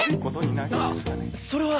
あっそれは。